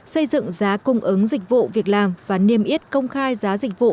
xây dựng giá cung ứng dịch vụ việc làm và niêm yết công khai giá dịch vụ